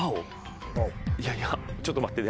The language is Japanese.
いやいやちょっと待ってね